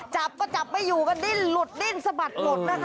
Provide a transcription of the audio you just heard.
จับก็จับไม่อยู่ก็ดิ้นหลุดดิ้นสะบัดหมดนะคะ